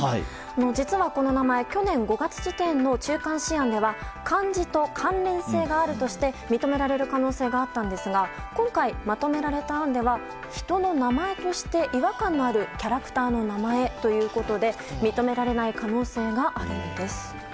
実は、この名前去年５月時点の中間試案では漢字と関連性があるとして認められる可能性があったんですが今回、まとめられた案では人の名前として違和感のあるキャラクターの名前ということで認められない可能性があるんです。